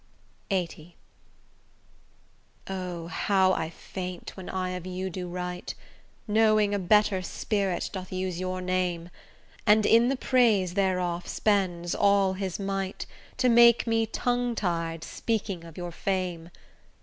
LXXX O! how I faint when I of you do write, Knowing a better spirit doth use your name, And in the praise thereof spends all his might, To make me tongue tied speaking of your fame!